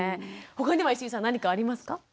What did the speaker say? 他には石井さん何かありますか？